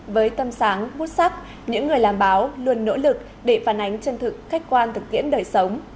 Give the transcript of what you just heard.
với tâm sáng bút sắc những người làm báo luôn nỗ lực để phản ánh chân thực khách quan thực tiễn đời sống